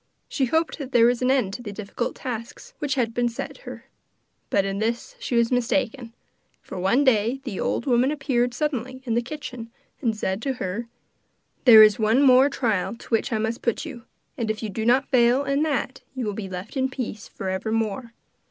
She hoped that there was an end to the difficult tasks which had been set her; but in this she was mistaken, for one day the old woman appeared suddenly in the kitchen, and said to her: 'There is one more trial to which I must put you, and if you do not fail in that you will be left in peace for evermore.